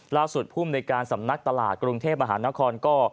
ล่าสุดผู้บริการสำนักตลาดกรุงเทพฯมหานครก็